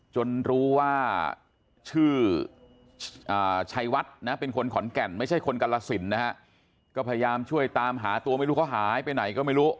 จนรู้ว่าชื่อชัยวัดนะเป็นคนขอนแก่นไม่ใช่คนกรสินนะฮะก็พยายามช่วยตามหาตัวไม่รู้เขาหายไปไหนก็ไม่รู้